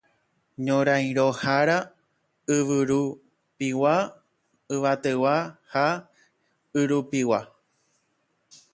ñorairõhára yvyrupigua, yvategua ha yrupigua.